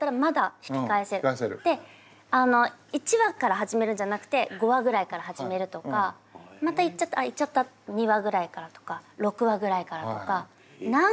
で１話から始めるんじゃなくて５話ぐらいから始めるとかまたいっちゃったら「あっいっちゃった」２話ぐらいからとか６話ぐらいからとか。